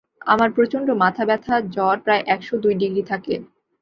আমার মাথা প্রচন্ড ব্যথা, জ্বর প্রায় একশো দুই ডিগ্রি থাকে।